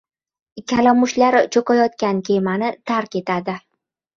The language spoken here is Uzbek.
• Kalamushlar cho‘kayotgan kemani tark etadi.